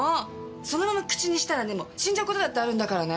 そのまま口にしたらね死んじゃうことだってあるんだからね！